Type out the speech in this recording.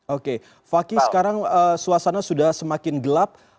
oke fakih sekarang suasana sudah semakin gelap